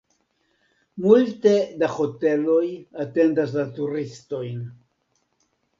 Multe da hoteloj atendas la turistojn.